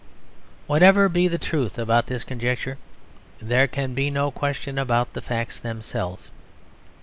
Whatever be the truth about this conjecture there can be no question about the facts themselves.